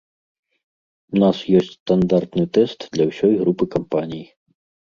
У нас ёсць стандартны тэст для ўсёй групы кампаній.